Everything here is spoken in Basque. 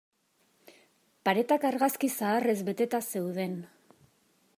Paretak argazki zaharrez beteta zeuden.